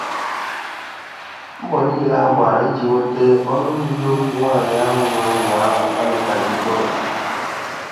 mbọ niile a gbara iji nweta ọnụmmiriokwu nwaanyị ahụ nwe ụlọ ahụ amịtàghị mkpụrụ